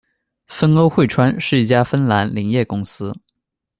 芬欧汇川是一家芬兰林业公司。